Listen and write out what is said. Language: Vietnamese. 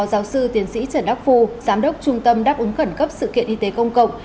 giáo sư tiến sĩ trần đắc phu giám đốc trung tâm đáp ứng khẩn cấp sự kiện y tế công cộng